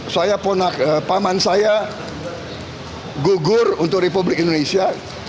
saya ponak paman saya gugur untuk republik indonesia